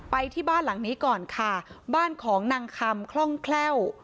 ไปที่บ้านหลังนี้ก่อนค่ะบ้านของนางคำคล่องแคล่ว